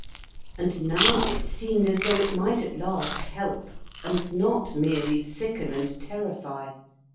And now it seemed as though it might at last help, and not merely sicken and terrify.